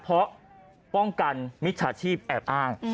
เพราะป้องกันมิจฉาชีพแอบอ้าง